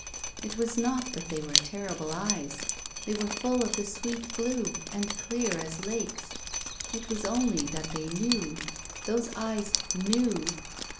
It was not that they were terrible eyes. They were full of the sweet blue, and clear as lakes. It was only that they knew. Those eyes knew.